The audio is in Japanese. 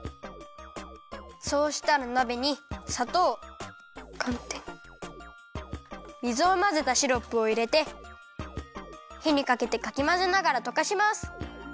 そうしたらなべにさとうかんてん水をまぜたシロップをいれてひにかけてかきまぜながらとかします。